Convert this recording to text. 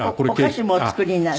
お菓子もお作りになる？